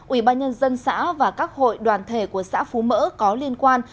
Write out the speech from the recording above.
ủy ban nhân dân xã và các hội đoàn thể của xã phú mỡ có liên quan